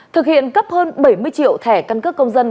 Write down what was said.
thực hiện cấp hơn bảy mươi triệu thẻ căn cước công dân